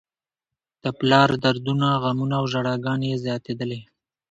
د پلار دردونه، غمونه او ژړاګانې یې زياتېدلې.